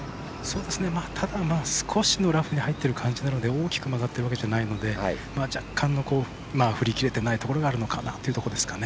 ただ、少しのラフに入ってる感じなので大きく曲がっているわけじゃないので若干の振り切れてないところがあるのかなというところですかね。